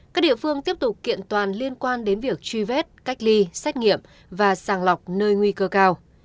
các địa phương tiếp tục kiện toàn liên quan đến việc truy vết cách ly xét nghiệm và sàng lọc nơi nguy cơ cao